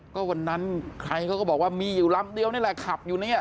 ก็วันนั้นใครเขาก็บอกว่ามีอยู่ลำเดียวนี่แหละขับอยู่เนี่ย